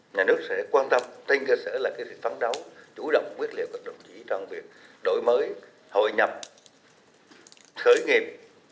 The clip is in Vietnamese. nhà nước sẽ quan tâm tinh cơ sẽ là cái phán đấu chủ động quyết liệu đồng chí trong việc đổi mới hội nhập khởi nghiệp